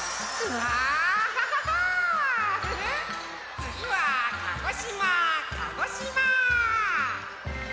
つぎは鹿児島鹿児島！